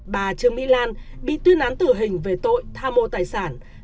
bà trương mỹ lan bị tuyên án tử hình về tội tha mua tài sản